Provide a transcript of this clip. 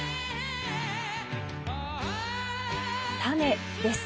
種です。